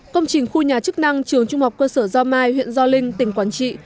công trình khu nhà chức năng trường trung học cơ sở gio mai huyện gio linh tỉnh quản trị